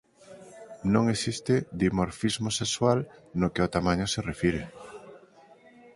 Non existe dimorfismo sexual no que ao tamaño se refire.